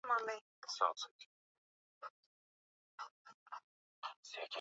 Watumwa na watu watukutu wote walihifadhiwa kisiwani hapo